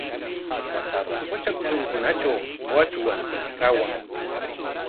Qutra kutrunkunatraw wachwa kawan.